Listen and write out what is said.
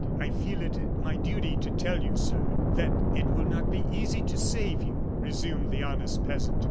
"I feel it my duty to tell you, sir, that it will not be easy to save you," resumed the honest peasant.